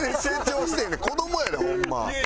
子どもやでホンマ。